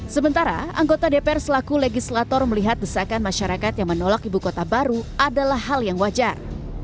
sementara anggota dpr selaku legislator melihat desakan masyarakat yang menolak ibu kota baru adalah hal yang wajar